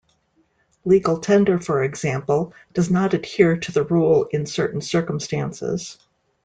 Legal tender, for example, does not adhere to the rule in certain circumstances.